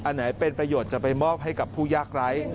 อันไหนเป็นประโยชน์จะไปมอบให้กับผู้ยากไร้